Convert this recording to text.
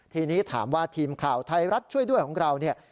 ทีนี้ถามว่าทีมข่าวไทยรัฐช่วยด้วยของเราเนี่ย